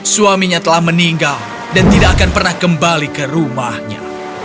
suaminya telah meninggal dan tidak akan pernah kembali ke rumahnya